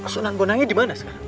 senat bonangnya dimana sekarang